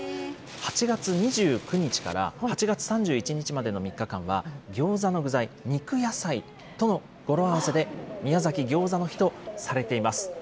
８月２９日から８月３１日までの３日間はギョーザの具材、にくやさいとの語呂合わせで、宮崎ぎょうざの日とされています。